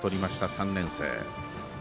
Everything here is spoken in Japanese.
３年生。